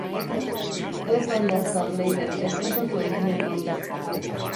Ez hain azkar, Leire, estresatu eginen nauzu.